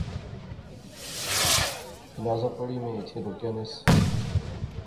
جنازہ پڑھی میں ایتھیں رکیا نہس